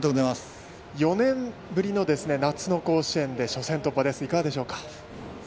４年ぶりの夏の甲子園で初戦突破、いかがでしょうか？